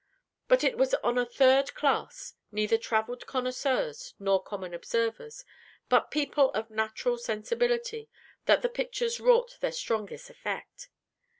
But it was on a third class neither travelled connoisseurs nor common observers, but people of natural sensibility that the pictures wrought their strongest effect.